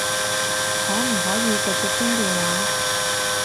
可唔可以直接傾電話？